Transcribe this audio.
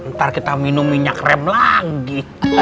ntar kita minum minyak rem lagi